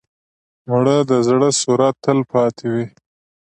مړه د زړه سوره تل پاتې وي